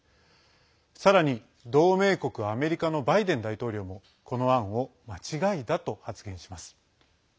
さらに、同盟国アメリカのバイデン大統領もこの案を間違いだと発言します。